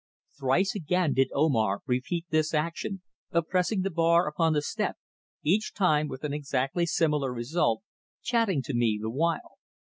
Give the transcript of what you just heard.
Thrice again did Omar repeat this action of pressing the bar upon the step, each time with an exactly similar result, chatting to me the while.